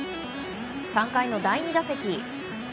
３回の第２打席。